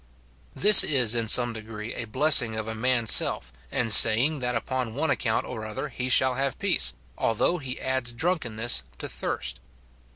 This is, in some degree, a blessing of a man's self, and saying that upon one account or other he shall have peace, " although he adds drunkenness to thirst."